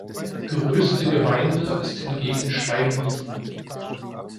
Größte Gemeinde ist hingegen Steinwiesen.